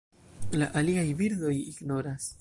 La aliaj birdoj ignoras.